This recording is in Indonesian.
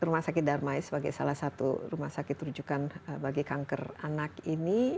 rumah sakit darmai sebagai salah satu rumah sakit rujukan bagi kanker anak ini